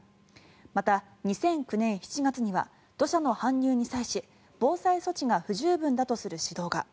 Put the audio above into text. また、２００９年７月には土砂の搬入に際し防災措置が不十分だとする指導が。